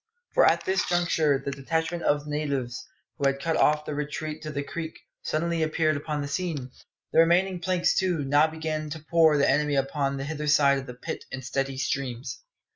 For at this juncture the detachment of natives who had cut off the retreat to the creek suddenly appeared upon the scene. The remaining planks, too, now began to pour the enemy upon the hither side of the pit in steady streams.